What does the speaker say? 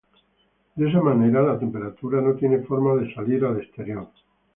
De esa manera, la temperatura no tiene forma de salir al exterior.